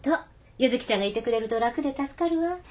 柚希ちゃんがいてくれると楽で助かるわ。